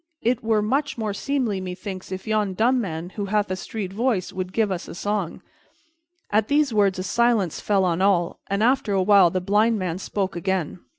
It were much more seemly, methinks, if yon Dumb man, who hath a sweet voice, would give us a song." At these words a silence fell on all, and after a while the Blind man spoke again.